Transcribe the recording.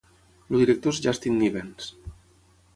El director és Justin Nivens.